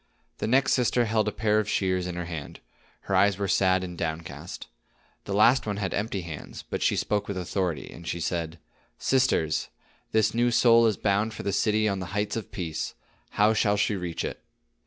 The next sister held a pair of shears in her hand; her eyes were sad and downcast. The last one had empty hands, but she spoke with authority, and she said: "Sisters, this new soul is bound for the city on the heights of Peace. How shall she reach it?"